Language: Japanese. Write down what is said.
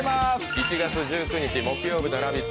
１月１９日木曜日の「ラヴィット！」